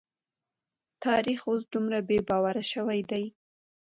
تاريخ اوس دومره بې باوره شوی دی.